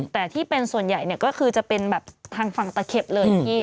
แต่ที่เป็นส่วนใหญ่เนี่ยก็คือจะเป็นแบบทางฝั่งตะเข็บเลยพี่